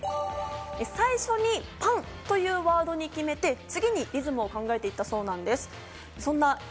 最初にパンというワードに決めて、次にリズムを決めていったそうなんです。